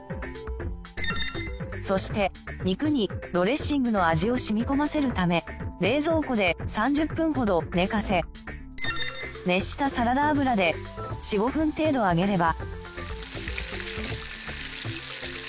そして肉にドレッシングの味を染み込ませるため冷蔵庫で３０分ほど寝かせ熱したサラダ油で４５分程度揚げれば。